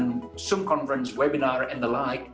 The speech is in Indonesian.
webinar subconvergen dan sebagainya